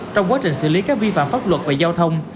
trong quá trình xử lý các vi phạm pháp luật về giao thông